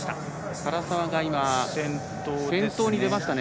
唐澤が今先頭に出ましたね。